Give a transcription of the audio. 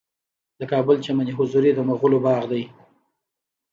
د کابل چمن حضوري د مغلو باغ دی